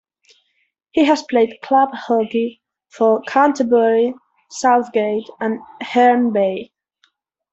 He has played club hockey for Canterbury, Southgate and Herne Bay.